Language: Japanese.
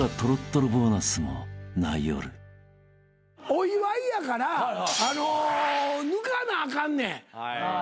お祝いやから抜かなあかんねん。